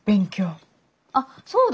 あっそうだ。